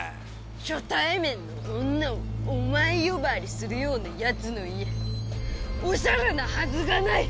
初対面の女をお前呼ばわりするようなヤツの家おしゃれなはずがない！